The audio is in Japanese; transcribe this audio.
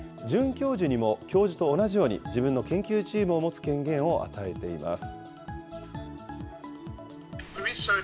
准教授にも、教授と同じように、自分の研究チームを持つ権限を与えています。